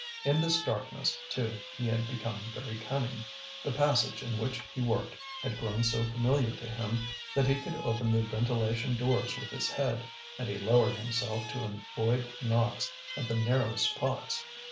In this darkness, too, he had become very cunning. The passage in which he worked had grown so familiar to him that he could open the ventilation doors with his head, and he lowered himself to avoid knocks at the narrow spots.